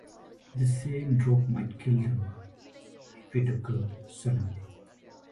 The same drop might kill them if it occurred suddenly.